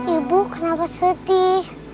ibu kenapa sedih